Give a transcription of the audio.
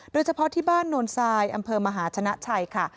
โดยเฉพาะที่บ้านโนนทรายอำเภอมหาชนะชัยค่ะ